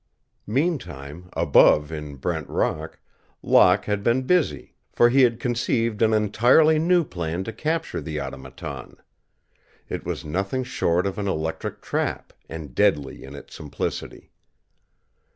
Meantime, above in Brent Rock, Locke had been busy, for he had conceived an entirely new plan to capture the Automaton. It was nothing short of an electric trap, and deadly in its simplicity.